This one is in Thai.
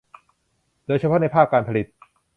โดยเฉพาะในภาคการผลิต